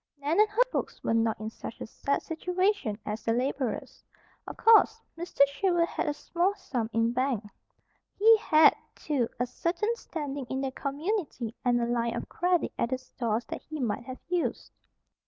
Nan and her folks were not in such a sad situation as the laborers, of course. Mr. Sherwood had a small sum in bank. He had, too, a certain standing in the community and a line of credit at the stores that he might have used.